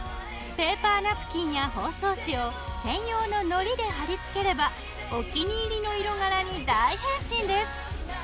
ペーパーナプキンや包装紙を専用ののりで貼り付ければお気に入りの色柄に大変身です。